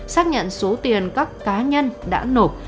xác nhận số tiền các cá nhân đã nộp